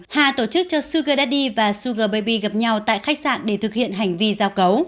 hà tổ chức cho sugar dadi và suger baby gặp nhau tại khách sạn để thực hiện hành vi giao cấu